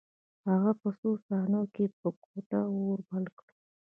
هغه په څو ثانیو کې په کوټه اور بل کړ